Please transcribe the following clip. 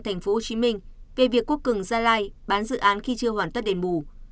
thành phố hồ chí minh về việc quốc cường gia lai bán dự án khi chưa hoàn tất đền bù